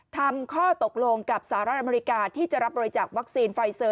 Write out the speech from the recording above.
ข้อตกลงกับสหรัฐอเมริกาที่จะรับบริจาควัคซีนไฟเซอร์